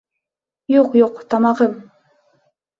Юҡ, юҡ, тамағым!